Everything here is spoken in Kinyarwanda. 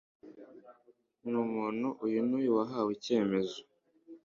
n umuntu uyu n uyu wahawe icyemezo